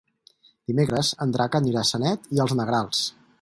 Dimecres en Drac anirà a Sanet i els Negrals.